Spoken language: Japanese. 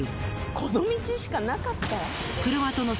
この道しかなかった？